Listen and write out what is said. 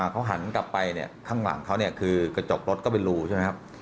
เขาหันกลับไปข้างหลังเขากระจกรถก็เป็นรูใช่ไหมครับ